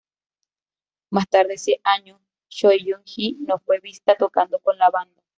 Más tarde ese año, Choi Yun-hee no fue vista tocando con la banda.